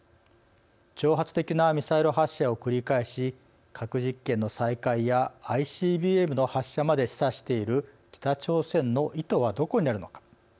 挑発的なミサイル発射を繰り返し核実験の再開やＩＣＢＭの発射まで示唆している北朝鮮の意図はどこにあるのか。